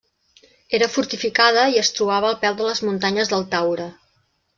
Era fortificada i es trobava al peu de les muntanyes del Taure.